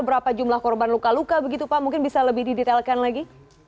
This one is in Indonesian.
berapa jumlah korban luka luka begitu pak mungkin bisa lebih didetailkan lagi